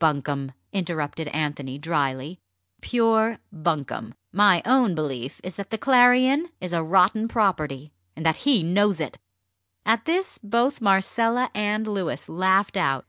"Bunkum!" interrupted Anthony drily; "pure bunkum! My own belief is that the Clarion is a rotten property, and that he knows it!" At this both Marcella and Louis laughed out.